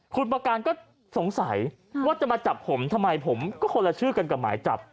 คุณประการก็สงสัยว่าจะมาจับผมทำไมผมก็คนละชื่อกันกับหมายจับ